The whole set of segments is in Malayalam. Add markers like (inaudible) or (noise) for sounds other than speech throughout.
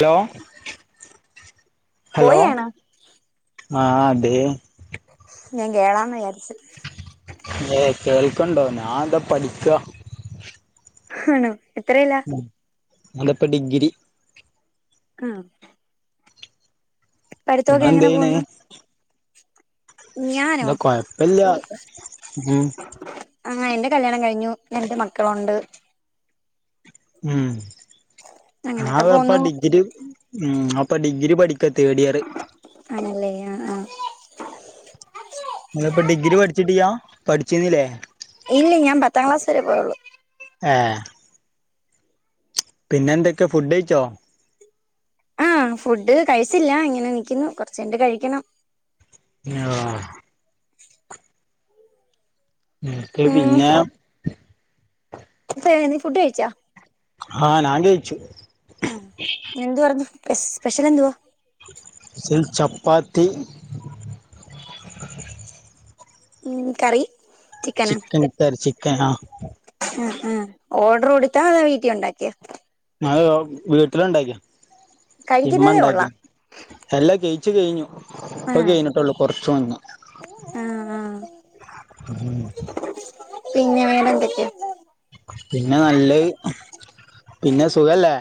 Law, hello? പോയാണോ ആഹ് അതെ ഞാൻ ഗേളാന്ന് വിചാരിച്ചു ഏ കേൾക്കണ്ടോ ഞാൻ എന്താ പഠിക്ക ആണോ എത്രല്ല മ്മ്ഹ്, ങ്ങള് പ്പ ഡിഗ്രി കാ പഠിത്തൊക്കെ നിങ്ങളെന്ത് എങ്ങനെ ചെയ്യണ് പോകുന്നു? ഞാനോ ഇന്ത കൊഴപ്പല്ല്യ ഉം. ആഹ് എന്റെ കല്യാണം കഴിഞ്ഞു രണ്ട് മക്കളുണ്ട് ഉും അങ്ങനെയൊക്കെ ആള്പ്പ പോന്നു ഡിഗ്രിം ഉം അപ്പ ഡിഗ്രി പഠിക്ക തേഡ് ഇയറ് ആണല്ലെ ആഹ് ന ഇപ്പ ഡിഗ്രി പഠിച്ചിട്ട്യാ പഠിച്ചിന്നില്ലേ ഇല്ല ഞാൻ പത്താം ക്ലാസ് വരെ പോയുള്ളൂ ഏഹ്. പിന്നെ എന്തൊക്കെയ ഫുഡ് കഴിച്ചോ ആഹ്, ഫുഡ് കഴിച്ചില്ല ഇങ്ങനെ നിക്കുന്നു, കൊറചൈനിട്ട് കഴിക്കണം. ആഹ് രത്തെ ഉം പിന്നാ ഇപ്പഴേ നീ ഫുഡ് കഴിച്ചാ? ആഹ് നാ ജയിച്ചു. ആഹ് ന്എന്ത് പറഞ്ഞു യെസ് സ്പെഷ്യൽ എന്തുവാ? (unintelligible) ചപ്പാത്തി ഉം കറി ചിക്കനിട്ട രചിക്കനാ ഉം ഉം ഓർഡർ കൊടുത്താ അതാ വീട്ടിൽ ഉണ്ടാക്കിയ? അഹ്, വീട്ടിലുണ്ടാക്കിയ ഇമ്മ കഴിക്കുന്നതേ ഉള്ളാ ണ്ടാക്കിയാ. എല്ല കയ്ച്ച് കയ്ഞ്ഞു. ഇപ്പൊ ആഹ് കയിഞ്ഞിട്ടുള്ളൂ കൊറച്ച് മുന്നേ. ആഹ് ആഹ് (unintelligible) പിന്നെ വേറെ എന്തൊക്കെയാ പിന്നെ നല്ല പിന്നെ സുഖല്ലേ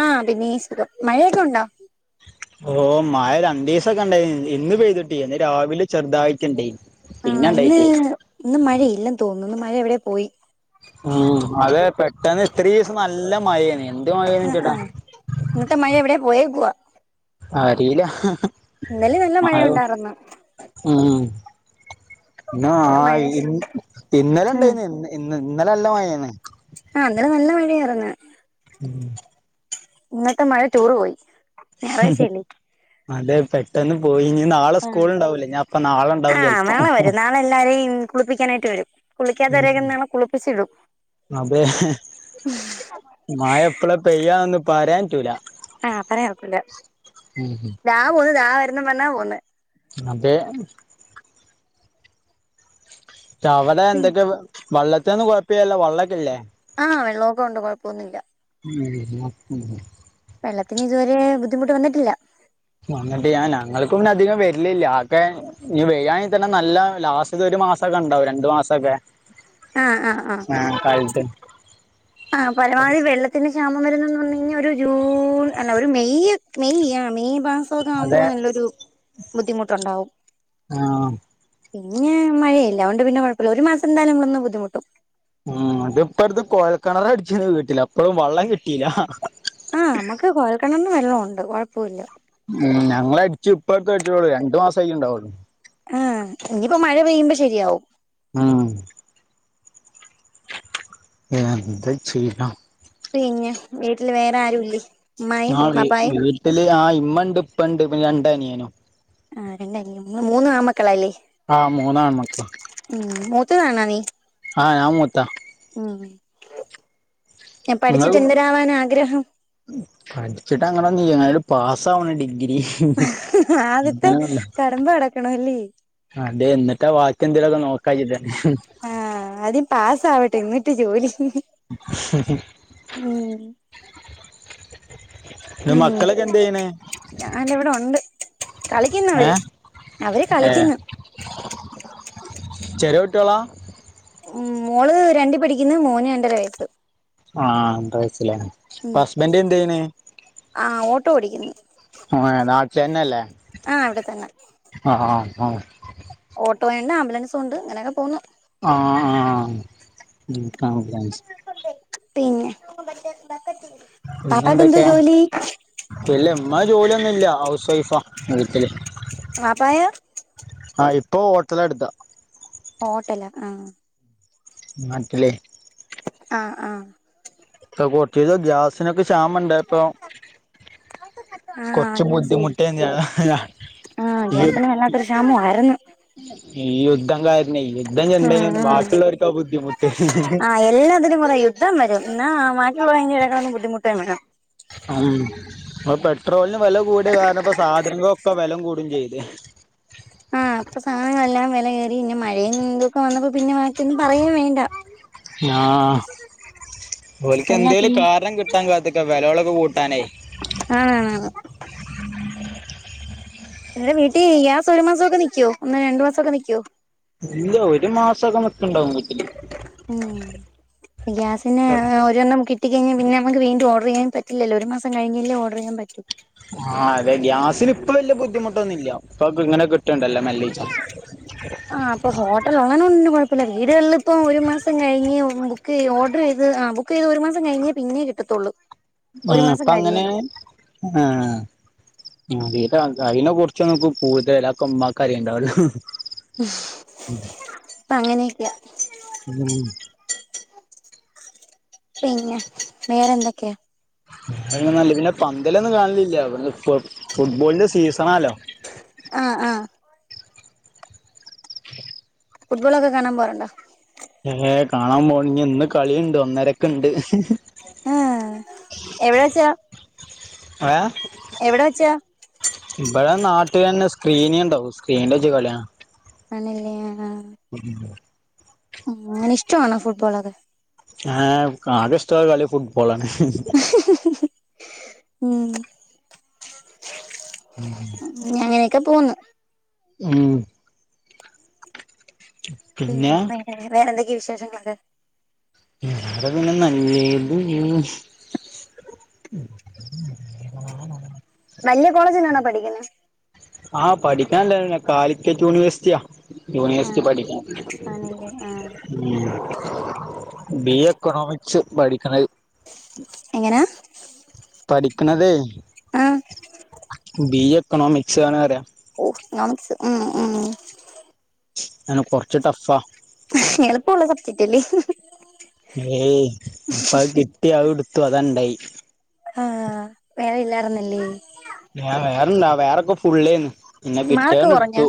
ആഹ (unintelligible) സുഖം മഴയൊക്കെ ഉണ്ടോ ഓ മായ രണ്ടു ദിവസൊക്കെ ഉണ്ടായി എന്ന് പെയ്തിട്ടില്ല രാവിലെ ചെറുതാഴട്ടുണ്ട ആഹ ഇന്ന് ഇന്ന് മഴയില്ലെന്ന് തോന്നുന്നു ഇന്ന് മഴ എവിടെയോ പോയി ഉം അതെ പെട്ടന്ന് ഇത്ര ദിവസം നല്ല മഴേനി എന്ത് മഴേന ആഹ് ചേട്ടാ ആഹ് ഇന്നത്തെ മഴ എവിടെയാ പോയേക്കുവാ ആഹ് അറിയില ഇന്നല്ലേ നല്ല മഴയ ഉണ്ടായിരുന്നു ആഹ് പിന്ന ഇന്ന് ആ മഴ ഇ ഇന്നലെ ഉം ഉണ്ടായിന്ന് ഇന്ന ഇന്ന് ഇന്നലെ ല്ല മയെന്ന്. ആഹ് (unintelligible) നല്ല മഴയായിരുന്ന് ഉം. ഇന്നത്തെ മഴ ടൂർ പോയി ഞായറാഴ്ചയല്ലേ അതെ പട്ട പെട്ടന്ന് പോയി ഇനി നാളെ സ്കൂള് ഉണ്ടാവലേ ഞ അപ്പൊ നാളുണ്ടാവും ആഹ് ചിലപ്പോം നാളെ വരും കുളിക്കാത രകുന്ന മ കുളിപ്പിച്ചിടും. അതെ, ഹേ മയ എപ്പളാ പെയ്യാന്ന് പറയാൻ റ്റൂല. ആഹ പറയാൻ കൊഴപ്പില്ലാ ഉം (unintelligible) വരുന്ന പറഞ്ഞാ പോന്ന അപേ വടെ എന്തൊക്കെ വെള്ളത്തിന്നും കുഴപ്പ്യല്ലല്ലൊ വള്ളക്കെല്ലേ? ആഹ് വെള്ളമൊക്കെ ഉണ്ട് കുഴപ്പൊന്നുമില്ല (unintelligible) വെള്ളത്തിന് ഇതുവരെ ബുദ്ധിമുട്ട് വന്നിട്ടില്ല. അങ്ങിട്ട് ഞാ ഞങ്ങൾക്കൊന്ന് അധികം വര്ലില്ല ആക്കെ ഇനി വെയ്യൻ തന്നെ നല്ല ലാസ്റ്റ് ഒരു മാസൊക്കെ ഉണ്ടാവും രണ്ടു മാസൊക്കെ ആഹ് ആഹ് ആഹ് ആഹ്, കാലത്ത് ആഹ്, പരമാവധി വെള്ളത്തിന്ന് ക്ഷാമം വരുന്നന്ന് പറഞ്ഞു കഴിഞ്ഞ ഒരു ജൂൺ അല്ല ഒരു മെയ്യ് മെയ് ആ മെയ് വ പുആവുമ്പോ അതെ നല്ലൊരു ബുദ്ധിമുട്ടുണ്ടാവും ആഹ് പിന്നെ മഴയില്ലതുകണ്ട് പിന്നെഴപ്പമില്ല ഒരു മാസംന്തായാലും നമ്മളൊ ബുദ്ധിമുട്ടും ഉം ഇതിപ്പോ അടുത്ത് കോയൽക്കിണറ അടിച്ചന്ന് വീട്ടില അപ്പഴും വെള്ളം കിട്ടിയില്ല ആഹ നമുക്ക് കോഴൽക്കിണറിലു വെള്ള ഉണ്ട് കുഴപ്പമില്ല ഉം ഞങ്ങൾടിച്ച ഇപ്പപ്പോഴത്ത അടിച്ചോളൂ രണ്ടു മാസംമായിക്ക ഉണ്ടാവൂ ഏഹ് ഇനിയിപ്പോ മഴ പെയ്യുമ്പോ ശരിയാവും ഉം ന്ത് ചെയ്യാ പിന്നെ വീട്ടിൽ വേറാരൂല്ലേ ഉമ്മായും വാപ്പായും ട്ട്ല് ആഹ് ഇമ്മണ്ട് ഇപ്പണ്ട് പിന്നെ രണ്ടനിയനും ആ രണ്ടല്ല ഇങ്ങള് മൂന്നാമക്കളാല്ലേ. ആഹ് മോനാണ് ഇമ്മക്ക് ആഹ ഞാ മൂത്ത ഹും എ നിങ്ങള് പഠിച്ചിട്ട് എന്തിരാവാനാ ആഗ്രഹം? പഠിച്ചിട്ട് അങ്ങനെ നിങ്ങിയലും പാസ്സാവണ് ഡിഗ്രി ആദ്യത്തെ അങ്ങനെ പറ കടമ്പ കടക്കണല്ലേ അതെ ന്നിട്ടാ വാക്കിന്തേലക്കെ നോക്കാചിട്ടാണ്. ആഹ ആദ്യം പാസ്സാവട്ടെ എന്നിട്ട് ജോലി (unintelligible) ഉഹും ന്നെ മക്കളോക്കെ എന്ത്യ്യ്ണ്. ഞാന ഇവിടെ ഉണ്ട് കളിക്കുന്നവര് ഏഹ് അവര് ഏഹ് കളിക്കുന്നു ചെറിയ കുട്ട്യാള ഉം, മോള് രണ്ട് പടിക്കുന്നു മോന് രണ്ടര വയസ്സ്. ആഹ (unintelligible) അപ്പൊ ഉം ഹസ്ബന്റ് എന്ത് ചെയ്യണ് ആഹ് ഓട്ടോ ഓടിക്കുന്നു (unintelligible) നാട്ടിലന്നെല്ലേ? ആഹ് അവിടെ തന്നെ. അ അ അ ആഹ്. ഓട്ടോ ഉണ്ട് ആംബുലൻസോ ഉണ്ട് ഇങ്ങനെയൊക്കെ പോകുന്നു ആഹ് ആഹ് പിന്നെ പാപ്പാക്ക് എന്തോ പിന്നെന്തൊക്കെ ജോലി ഇല്ല ഇമ്മ ജോലിയൊന്നുല്യ ഹൗസ് വൈഫാ വീട്ടില് വാപ്പായാ. ആഹ്, ഇപ്പൊ ഹോട്ടല ടുത്താ. ഹോട്ടല ആഹ് നാട്ടില്. ആഹ് ആഹ് പോ കോർച്ചിസം ഗ്യാസിനൊക്കെ ക്ഷാമം ണ്ടായപ്പൊ ആഹ് കുറച്ച് ബുദ്ധിമുട്ടിയ ഞാനാ ആഹ ഗ്യാസിന് വല്ലാത്തൊരു ക്ഷാമമായിരുന്നു ഈ യുദ്ധങ്കാരണെ ഉം ഉഹും ആഹ് എല്ലാതിനും പറയും. ഇതം വരും എന്നാ ബാക്കിയൊള്ള കയിഞ്ഞ് ഇടക്കളൊന്നും ബുദ്ധിമുട്ടാണ് ആ അപ്പ പെട്രോളിന് വില കൂടിയ കാരണം ഇപ്പ സാധനങ്ങൊക്കെ വെലം കൂടയും ചെയ്ത് ആഹ് അപ്പൊ സാധനങ്ങളെല്ലാം വില കയറി ഇന്ന മഴ ഇന്തൊക്കെ വന്നപ്പോ പിന്നെ ബാക്കിയൊന്നും പറയും വേണ്ട ആ ഒല്ക്ക് എന്തേലും എല്ലാത്തിനും കാരണം കിട്ട ട്ടാൻ കാത്ത്ക്ക വിലോളൊക്ക കൂട്ടാനേ ആണണ ണ് നിങ്ങടെ വീട്ടിൽ ഗ്യാസ് ഒരു മാസൊക്കെനിക്ക്യോ ഒന്ന് രണ്ടു മാസൊക്കെ നിക്യോ? ഇല്ല ഒരു മാസൊക്ക നിക്ക്ണ്ടാവും വിട്ടില്. ഉും ഗ്യാസിന് ഒരോണ്ണം കി കിട്ടിക്കഴിഞ്ഞാ പിന്ന നമുക് വീണ്ട ഓർഡർചെയ്യാൻ പറ്റില്ലല്ലോ ഒരു മാസം കഴിഞ്ഞില്ലേ ഓർഡർചെയ്യൻറ്റി ആഹ് അതെ ഗ്യാസിന് ഇപ്പൊ വല്യ ബുദ്ധിമുട്ടൊന്നുല്ല. ഇപ്പൊ ഇങ്ങനെ കിട്ട്ണ്ടല്ലോ മെല്ലിച്ച. ആഹ് അപ്പൊ ഹോട്ടലുള്ളെനോടങ്ങനെ കൊഴപ്പല്ല വീടുകളില്പ്പം ഒരു മാസം കഴിഞ്ഞ് ബുക്ക് ഓർഡർ ചെയ്ത് ആ ബു ക്ക്യ്ത് ഒരു മാസം കഴിഞ്ഞേ പിന്നെ കിട്ടത്തുള്ളൂ. ആ ഒരു മാസം പ്പഅങ്ങനെ? കഴിയണം ആ ആദ്യയിട്ടാ അതിനെ കുറിച്ച് ഒന്നും നമക്ക് കൂടുതലക്കെമ്മ ആയിരിക്കും ഉണ്ടാവല്ലോ (unintelligible) പ്പഅങ്ങനെക്ക്യ ഉം (inaudible) പിന്നെ വേറെന്തൊക്കെ? (unintelligible) പിന്നെ പന്തലൊന്നും കാണലില്ല ഫുട്ബോളിന്റെ സീസണാല്ലോ ആ ആഹാ (inaudible) ഫുട്ബോളൊക്കെ കാണാൻ പോറണ്ടോ? ഏഹ് കാണാൻ പോണ ഇന്ന് കളിണ്ട് ഒന്നരക്ക് ണ്ട് ഹം എവിടെ വച്ചാ എവിടാ വച്ചാ? ഇപടെ നാട്ടിൽന്നെ സ്ക്രീന്യംണ്ടാവും സ്ക്രീൻ്റെച്ച് കളിയാണ്. ആണല്ലേ? ആഹ ആഹ (inaudible) ഉമ് ഞാന ഇഷ്ടണോ ഫുട്ബോൾ ഒക്കെ ആഹ ക്ക് അകെ ഇസ്‌റ്റാകല് ഫുട്ബോളാണ്. ഹും ഹും ഉമ് ഉം ഉം (inaudible) ഞ അങ്ങനെയൊക്കെ പോന്നു. ഹും പിന്നെ വേ വേറെന്തൊക്കെയും വിശേഷങ്ങളൊക്കെ? (unintelligible) (unintelligible) വല്ല്യ കോളേ ജിലാണോ പഠിക്കുന്ന ആഹ് പഠിക്കാനല്ലെ കാലിക്കറ്റ് യൂണിവേഴ്സിറ്റിയാ യൂണിവേഴ്സിറ്റി ആഹ് പഠിക്കണം ആണല്ലേ ആഹ് ബി, എക്കോണോമിക്സ് പഠിക്കണത്. എങ്ങനാ? പഠിക്ക്ണതെയ് ആഹ ബീ എ ഒക്കണോ മിക്സ് ആണ പറയാ ഓഹ നാമിക്‌സ് ഉം ഉം ആഹ് കൊർച്ച് ടഫാ എളുപ്പള്ള സബ്ജറ്റ് അല്ലെ? ഏയ് പ്പഅ്കിട്ടി അഅ്ട്ത്തു അതാണ്ടായി ആഹ് വേറെ ഇല്ലാർന്നില്ലേ ഞാ വേറെണ്ടാ വേറെക്കെ ഫുള്ളേന്നു പിന്നെ മാർക്ക് കുറഞ്ഞോ വിറ്റേന്നടുത്തു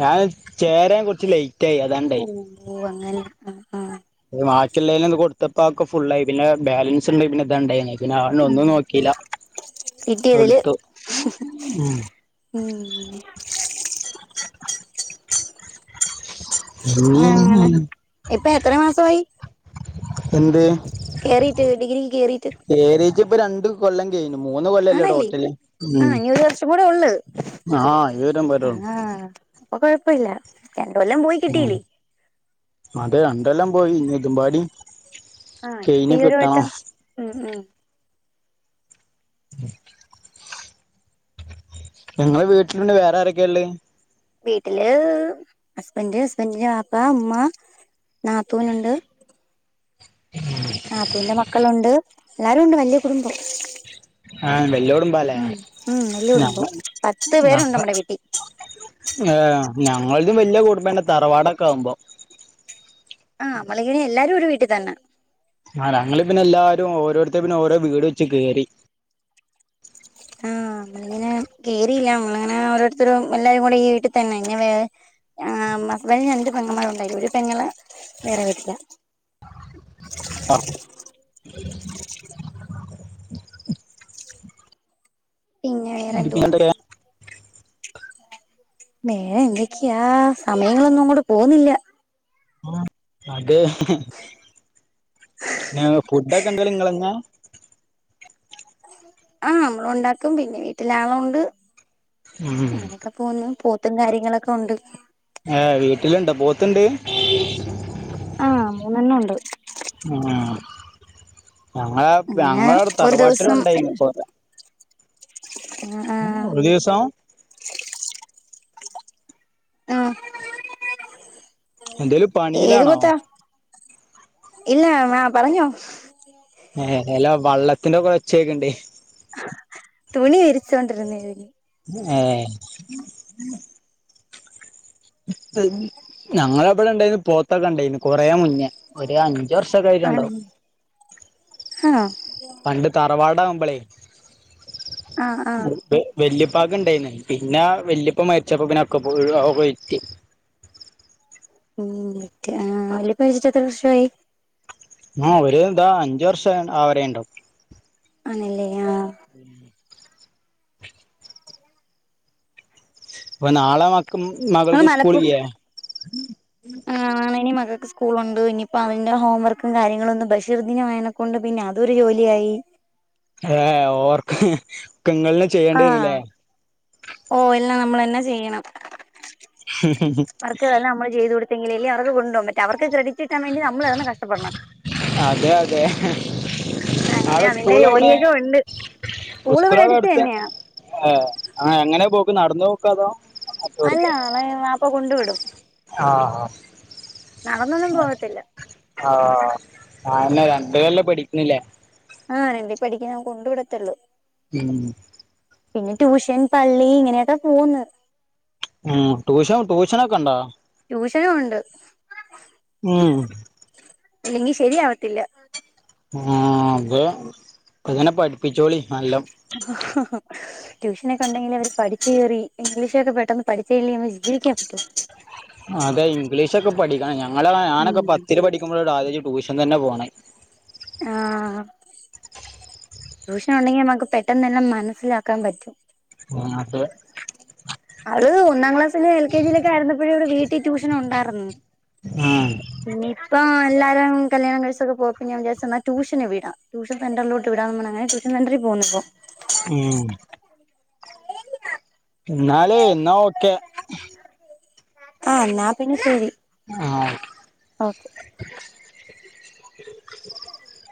ഞാൻ ചേരാൻ കുറച്ച് ലേറ്റ്യയി. ഓഹ് ഓഹ് അങ്ങനെ ആഹ് ആഹ് ത് ബാക്കിയുള്ളാലും കൊടുത്തപ്പ ഒക്കെ ഫു ആയി പിന്നെ ബാലൻസ് ഉണ്ട് പിന്നെ ഇതാണ്ടായിനി പിന്നെ അണ്ട് ഉം ഒന്നും നോക്കിയില്ല. കിട്ടിയതില് അഹ്എടുത്തു ഉും ഉമ് അങ്ങനെ ഇപ്പൊ എത്ര മാസുവായി? എന്ത് കേറിട്ട് ഡിഗ്രി കേറിയിട്ട് ഏത് ജ്പ്പ രണ്ട് കൊല്ലം കയിഞ്ഞു മൂന്ന് കൊല്ലല്ലേ ആണല്ലേ ടോട്ടല് ആഹ് ഇനി ഒരു വർഷം കൂടെ ഉള്ള് ഉ ആഹ് ഇവരം വരും പ്പൊകൊഴപ്പമില്ല രണ്ട് കൊല്ലം പോയി ഉം കിട്ടീലെ അതെ രണ്ടെല്ലാം പോയി ഇതുംമ്പാടി - ആഹ് ഇപ്പ ഈ ഒരു വട്ടം ഉം ഉ (unintelligible) ഞങ്ങള് വീട്ടിലുണ്ട് വേറെ ആരൊക്കെയള്ളേ വീട്ടില് ഹസ്ബൻ്റ്, ഹസ്ബൻ്റ് ന്റെ വാപ്പ, ഉമ്മ, നാത്തൂനുണ്ട്. (inaudible) നാതൂന്റെറെ മക്കളുണ്ട്. എല്ലാരും ഉണ്ട് വല്യയ കുടുംബം. ആഹ് വെല്ലോടുമ്പാലേ ഉം ഉും വല്ല്യടുമ്പം പത്ത് പേരു ഉണ്ട് നമ്മടെ വീട്ടിൽ ആഹാ ഞങ്ങതും വല്യകുടുബന്നെ തറവാടൊക്കെ ആവുമ്പോ ആ പ്പല്ലെങ്ങി എല്ലാരും ഒരു വീട്ടിൽ തന്നെ ആ ഞങ്ങള് പിന്നെ എല്ലാരുംഓരോരുത്ത പിന്നെ ഓരോ വീട് വെച്ച് കേറി. ആഹാ നമ്മളിങ്ങനെ കേറിയില്ല നമ്മളിങ്ങനെ ഓരോരുത്തരു എല്ലാവരും കൂടെ ഈ വീട്ടിൽ തന്നെ ഇങ്ങ വ ആ മസ്ബൻ്റിന് രണ്ടു പെങ്ങന്മാരുണ്ട് അയ്ല് ഒരു പെങ്ങള് വേറെ വീട്ടില്ല ആഹ് പിന്നെ വേറെന്തുവാ? വെറെ എന്തൊക്കെയാ സമയങ്ങളൊന്നും അങ്ങോട്ട് പോകുന്നില്ല ആ അതെ ഹ് ഹെ നെ ഫുഡൊക്കെ എന്തലും നിങ്ങളന്നാ ആഹ മ്മള് ഉണ്ടാക്കും പിന്നെ വീട്ടില് ആളോണ്ട് ഉം അങ്ങനെയൊക്കെ. പോന്നും പോത്തും കാര്യങ്ങളൊക്കെ ഉണ്ട്. ഏഹ് വീട്ടില ഇണ്ട് പോത്തുണ്ട് ആഹ് മൂന്നെണ്ണം ഉണ്ട് ആഹ് ഞങ്ങളെ അങ്ങനെ ഞങ്ങളടെ ഒരു തറവാട്ടിലും ദിവസം ഉണ്ടായിരുന്നു ഇപ്പൊ (inaudible) ഒരീസം ആഹ എന്തേലും ഏത് പണിയിലാണോ പോത്താ? ഇല്ല മാം പറഞ്ഞോ. ഏ എല്ല വെള്ളത്തിന്റെക്ക ഉച്ചയൊക്കണ്ട് തുണി വരിച്ചോണ്ട് ര്ന്നനി എഏ (inaudible) ഞാങ്ങളെ പടെണ്ടായിന്ന് പോത്തൊക്കെണ്ടായിന്ന് കൊറേ മുന്നേ ഒര്അഞ്ച് ആണ ആഹ പണ്ട് തറവാടാവുമ്പളേ? ആഹ് ആഹ് പേ വല്യപ്പാക് ഇണ്ടായിന്ന് പിന്നെ വല്യപ്പ മരിച്ചപ്പോ പിന്ന (unintelligible) ഉും നിക് ആ വല്ല്യിപ്പമരിച്ച് എത്ര വർഷമായി ആഹ് ഒര് താ അഞ്ച് വർഷം- ആവാരായിണ്ടാവും. ആണല്ലേ ഏയ്ന്നോ ഉം (unintelligible) ഇപ്പ നാളെമ ആഹ മലപ്പുറത്ത് (inaudible) ആണ് നി മകൾക്ക് സ്കൂളുണ്ട്. ഇനിയിപ്പോ അയിന്റെ ഹോംവർക്കും കാര്യങ്ങളൊന്നും ബഷീർദിനായേനെക്കൊ കൊണ്ട് പിന്നെ അതൊരു ജോലിയായി ഏഹ് ഓർക്ക്ക്ക്ങ്ങള് ആഹ് ഓ എല്ലാം നമ്മളെന്നെ ചെയ്യണം. മറക്കന്നെമ്മയി ചെയ്ത്കൊടുത്തെങ്കിലല്ലേ അവർക്ക് കൊണ്ടോകാൻ പറ്റൂ അവൃക്ക് ക്രെഡറ്റ് കിട്ടിൻ വേണ്ടി നമ്മള് കടന്ന് കഷ്ടപ്പെടണം. അതെ അതെ അങ്ങനെ ആളെ അതിന്റെ സ്കൂളെവടേ ജോലിയൊക്കെ ഉണ്ട് സ്കൂള് ഇവിടെ അടുത്ത് സ്കൂളവിടെടുത്ത തന്നെയാ അയെ ആ എങ്ങനേപോക്ക് നടന്ന് പോക്കോ അതോ അല്ല നളെ ആപ്പ കൊണ്ടു വിടും ആഹ ആ നടന്നൊന്നും പോകത്തില്ല ആഹ് അയന്നെ രണ്ട്ലല്ലേ പടിക്ക്ണ്ല്ലേ ആഹ് രണ്ടി പഠിക്ക്ണ് ഞാൻ കൊണ്ട് വിടത്തൊള്ളൂ. എ (unintelligible) പിന്നെ ട്യൂഷൻ, പള്ളി ഇങ്ങനെയൊക്കെ പോക്ന്ന് ഉം ട്യൂഷൻ ട്യൂഷനൊക്കെണ്ടോ ട്യൂഷനോവ്ണ്ട് ഉം ഇല്ലെങ്കി ശരിയാവത്തില്ല ആഹ് അതെ അങ്ങനെ പഠിപ്പിച്ചോളി നല്ലം (unintelligible) ട്യൂഷനൊക്കെ ഉണ്ടെങ്കിൽ അവര് പഠിച്ച് കേറി ഇംഗ്ലീഷൊക്കെ പെട്ടെന്ന് പഠിച്ചി ല്ലെങ്കി നമുക്ക് വിജീവിക്കാൻ പറ്റോ അതെ ഇംഗ്ലീഷൊക്കെ പഠിക്കണം. ഞങ്ങള ഞാനൊക്കെ ഉം പത്തിൽ പഠിക്കുമ്പോഴോ ആദ്യയിട്ട് ട്യൂഷൻ തന്നെ പോണേ ആഹ്. ട്യൂഷനുണ്ടെങ്കി നമക്ക് പെട്ടെന്നെന്നെ മനസ്സിലാക്കാൻ പറ്റും. (unintelligible) അവരള് ഒന്നാം ക്ലാസ്സില് എൽ കെ ജിയിലൊക്കെ ആരുന്നപ്പോഴും ഇവിടെ വീട്ടിൽ ട്യൂഷൻ ഉണ്ടായിരുന്നു (unintelligible) നിപ്പ പിള്ളേരേം കല്യാണം കഴിച്ചൊക്കെ പോയപ്പോ പിന്നെ ഞാ വിചാരിച്ചുന്നാ ടൂഷന് വിടാം. ട്യൂഷൻസെന്ററിലോട്ട് വിടാന്നും പറഞ്ഞ് ങ്ങനെ ട്യൂഷ സെൻ്ററിൽ പോവുന്നുപ്പോ. ഉം എന്നാല എന്നാ ഓക്കെ ആഹ് ന്നാ പിന്നെ ശരി ആഹ് ഓക്കെ (inaudible)